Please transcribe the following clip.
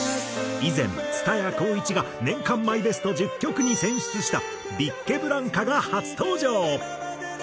以前蔦谷好位置が年間マイベスト１０曲に選出したビッケブランカが初登場。